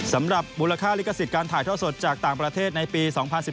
สำหรับมูลค่าลิขสิทธิ์การถ่ายท่อสดจากต่างประเทศในปี๒๐๑๘